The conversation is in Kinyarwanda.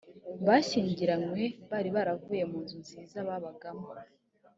bashyingiranywe bari baravuye mu nzu nziza babagamo